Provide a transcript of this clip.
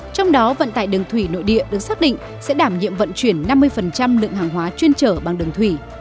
trong đó vận tải đường thủy nội địa được xác định sẽ đảm nhiệm vận chuyển năm mươi lượng hàng hóa chuyên trở bằng đường thủy